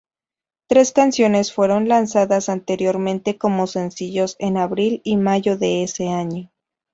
Tres canciones fueron lanzadas anteriormente como sencillos en abril y mayo de ese año.